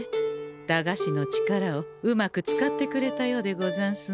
駄菓子の力をうまく使ってくれたようでござんすね。